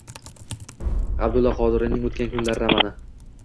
Abdulla Qodiriyning “O‘tkan kunlar” romani